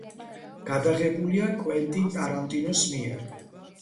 გადაღებულია კვენტინ ტარანტინოს მიერ.